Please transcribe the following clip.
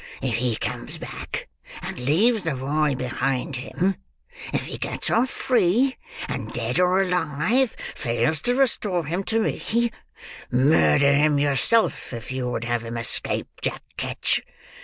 If he comes back, and leaves the boy behind him; if he gets off free, and dead or alive, fails to restore him to me; murder him yourself if you would have him escape Jack Ketch.